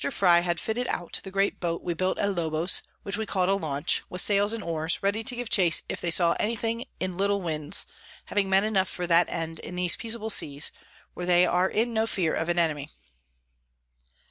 Frye had fitted out the great Boat we built at Lobos, which we call a Launch, with Sails and Oars, ready to give chase if they saw any thing in little Winds, having Men enough for that end, in these peaceable Seas, where they are in no fear of an Enemy.